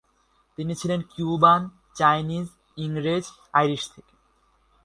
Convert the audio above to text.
তিনি ছিলেন Cuban, Chinese, ইংরেজ, আইরিশ থেকে।